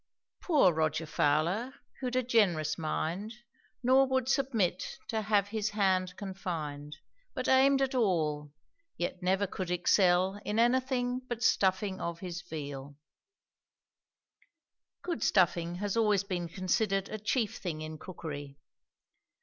Poor Roger Fowler, who'd a generous mind, Nor would submit to have his hand confined, But aimed at all, yet never could excel In anything but stuffing of his veal. Good stuffing has always been considered a chief thing in cookery.